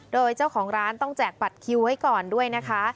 โดยเจ้าของร้านต้องแจกบัตรคิวไว้ก่อนด้วยนะคะ